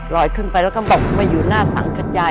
ขึ้นไปแล้วก็บอกมาอยู่หน้าสังขยาย